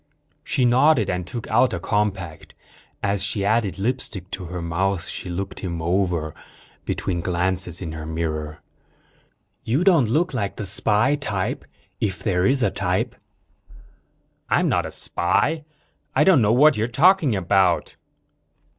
She nodded and took out a compact. As she added lipstick to her mouth, she looked him over, between glances in her mirror. "You don't look like the spy type. If there is a type." "I'm not a spy. I don't know what you're talking about."